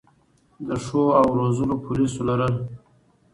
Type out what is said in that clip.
د ښو او روزلو پولیسو لرل